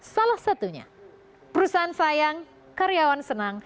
salah satunya perusahaan sayang karyawan senang